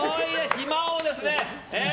暇王ですね。